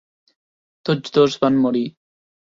Tots dos van morir.